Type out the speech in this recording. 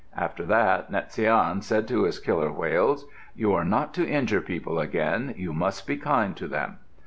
After that Natsiane said to his killer whales, "You are not to injure people again. You must be kind to them."